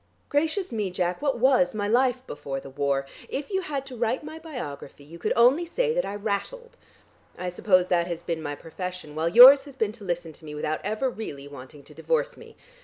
Gracious me, Jack, what was my life before the war? If you had to write my biography, you could only say that I rattled. I suppose that has been my profession, while yours has been to listen to me without ever really wanting to divorce me.